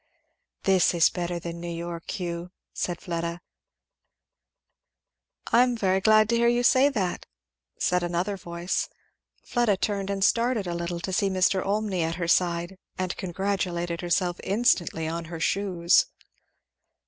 "This is better than New York, Hugh," said Fleda. "I am very glad to hear you say that," said another voice. Fleda turned and started a little to see Mr. Olmney at her side, and congratulated herself instantly on her shoes.